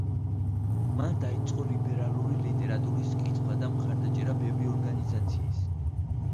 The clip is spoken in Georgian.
მან დაიწყო ლიბერალური ლიტერატურის კითხვა და მხარდაჭერა ბევრი ორგანიზაციის.